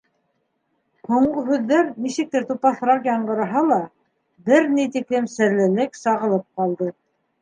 Һуңғы һүҙҙәр нисектер тупаҫыраҡ яңғыраһа ла, бер ни тиклем серлелек сағылып ҡалды.